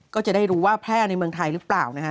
ก็จะได้รู้ว่าแพร่ในเมืองไทยหรือเปล่านะฮะ